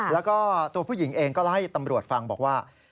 แล้วก็ตัวผู้หญิงเองก็เล่าให้ตำรวจฟังบอกว่า